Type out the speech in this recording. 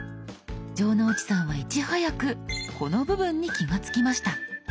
城之内さんはいち早くこの部分に気が付きました。